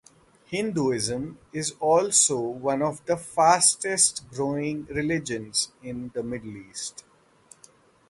Hinduism is also one of the fastest growing religions in the Middle East.